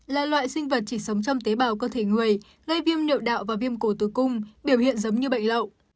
là loại sinh vật chỉ sống trong tế bào cơ thể người gây viêm nạo đạo và viêm cổ tử cung biểu hiện giống như bệnh lậu